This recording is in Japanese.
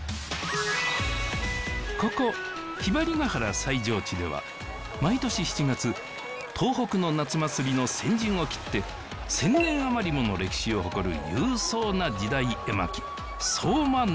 祭場地では毎年７月東北の夏祭りの先陣を切って１０００年余りもの歴史を誇る勇壮な時代絵巻相馬野